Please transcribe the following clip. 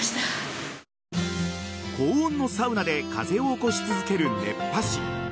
高温のサウナで風を起こし続ける熱波師。